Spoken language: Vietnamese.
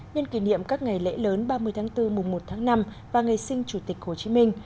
nhân kỷ niệm các ngày lễ lớn ba mươi tháng bốn mùa một tháng năm và ngày sinh chủ tịch hồ chí minh